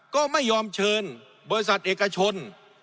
ก็ไม่ยอมเชิญบริษัทเอกชน